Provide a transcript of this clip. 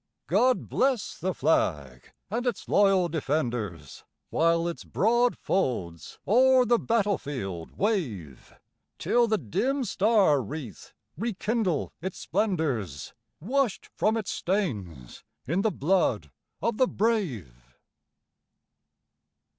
God bless the Flag and its loyal defenders, While its broad folds o'er the battle field wave, Till the dim star wreath rekindle its splendors, Washed from its stains in the blood of the brave!